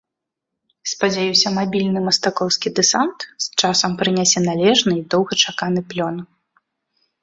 Спадзяюся, мабільны мастакоўскі дэсант з часам прынясе належны і доўгачаканы плён.